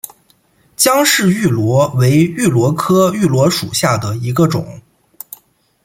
姜氏芋螺为芋螺科芋螺属下的一个种。